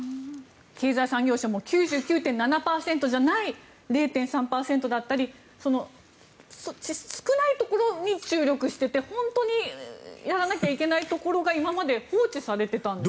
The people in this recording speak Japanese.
経済産業省も９９．７％じゃない０．３％だったり少ないところに注力していて本当にやらなきゃいけないところが今まで放置されてたんですね。